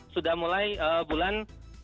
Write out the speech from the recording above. sudah mulai bulan